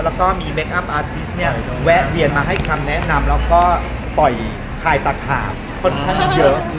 แล้วก็มีเคคอัพอาติสเนี่ยแวะเวียนมาให้คำแนะนำแล้วก็ปล่อยคายตะขาบค่อนข้างเยอะ